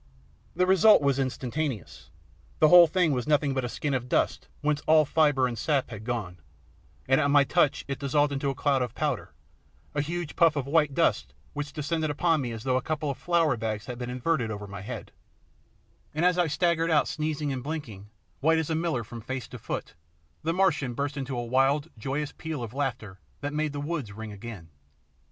The result was instantaneous. The whole thing was nothing but a skin of dust, whence all fibre and sap had gone, and at my touch it dissolved into a cloud of powder, a huge puff of white dust which descended on me as though a couple of flour bags had been inverted over my head; and as I staggered out sneezing and blinking, white as a miller from face to foot, the Martian burst into a wild, joyous peal of laughter that made the woods ring again.